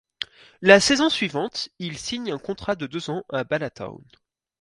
La saison suivante, il signe un contrat de deux ans à Bala Town.